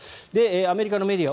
アメリカのメディア